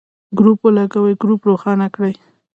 ګروپ ولګوئ ، ګروپ روښانه کړئ.